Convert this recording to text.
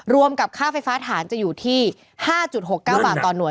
รวมกับค่าไฟฟ้าฐานจะอยู่ที่๕๖๙บาทต่อหน่วย